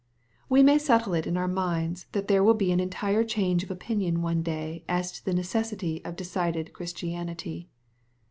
We may settle it in our minds, that there wiU be an entire change of opinion one day as to the necessity of decided Christianity.